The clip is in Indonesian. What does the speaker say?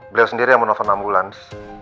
beliau sendiri yang menelpon ambulans